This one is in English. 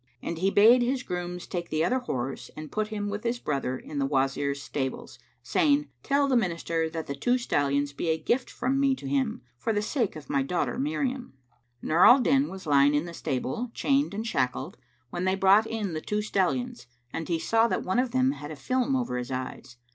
And he bade his grooms take the other horse and put him with his brother in the Wazir's stables, saying, "Tell the Minister that the two stallions be a gift from me to him, for the sake of my daughter Miriam." Nur al Din was lying in the stable, chained and shackled, when they brought in the two stallions and he saw that one of them had a film over his eyes.